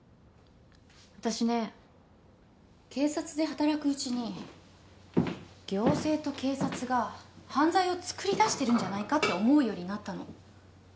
私ね警察で働くうちに行政と警察が犯罪をつくり出してるんじゃないかって思うようになったの。